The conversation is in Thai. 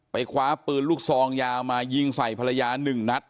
คว้าปืนลูกซองยาวมายิงใส่ภรรยาหนึ่งนัด